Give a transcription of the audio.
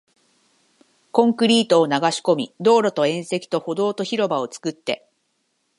コンクリートを流し込み、道路と縁石と歩道と広場を作って